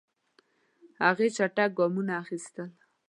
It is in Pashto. هغې چټک ګامونه اخیستل.